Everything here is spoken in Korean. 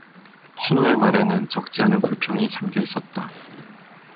춘우의 말에는 적지 않은 불평이 잠겨 있었다.